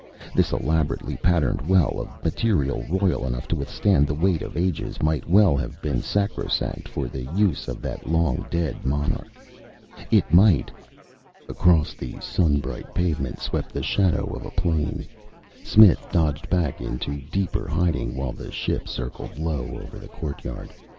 This elaborately patterned well, of material royal enough to withstand the weight of ages, might well have been sacrosanct for the use of that long dead monarch. It might Across the sun bright pavement swept the shadow of a plane. Smith dodged back into deeper hiding while the ship circled low over the courtyard.